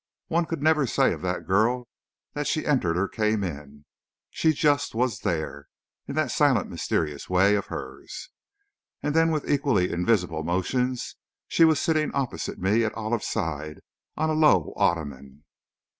One could never say of that girl that she entered or came in, she just was there, in that silent, mysterious way of hers. And then with equally invisible motions she was sitting opposite me, at Olive's side, on a low ottoman.